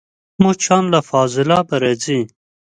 مچان له فاضلابه راځي